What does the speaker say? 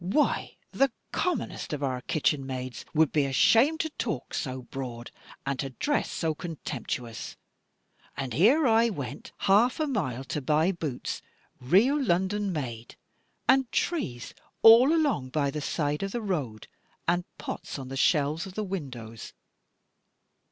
Why the commonest of our kitchen maids would be ashamed to talk so broad, and to dress so contemptuous. And here I went half a mile to buy boots, real London made; and trees all along by the side of the road, and pots on the shelves of the windows.